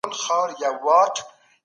استازي کله د فردي مالکیت حق ورکوي؟